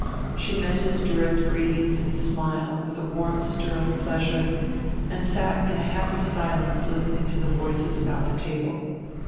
She met his direct greeting and smile with a warm stir of pleasure and sat in a happy silence listening to the voices about the table.